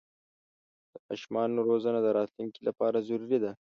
د ماشومانو روزنه د راتلونکي لپاره ضروري ده.